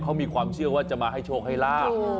เขามีความเชื่อว่าจะมาให้โชคให้ลาบ